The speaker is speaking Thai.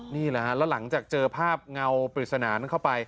นี่แหละฮะแล้วหลังจากเจอภาพเงาปริศนานั้นเข้าไป